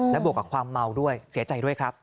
และบวกกับความเมาด้วยเสียใจด้วยครับ